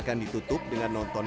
kita adalah pasangan yang baik